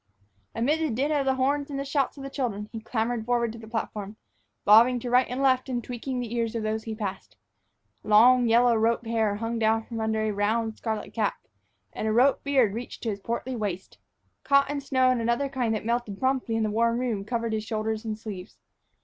Amid the din of the horn and the shouts of the children, he clambered forward to the platform, bobbing to right and left, and tweaking the ears of those he passed. Long, yellow rope hair hung down from under a round, scarlet cap, and a rope beard reached to his portly waist. Cotton snow and another kind that melted promptly in the warm room covered his shoulders and sleeves.